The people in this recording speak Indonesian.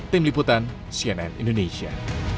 tim liputan cnn indonesia